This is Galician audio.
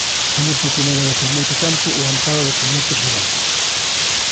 Teño por primeira vez en moito tempo o amparo do señor presidente.